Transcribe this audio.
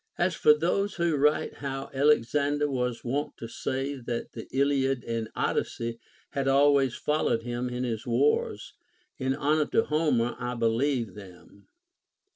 As for those Λvho write how Alexander was wont to say that the Iliad and Odyssey had always followed him in his wars, in honor to Homer I believe them.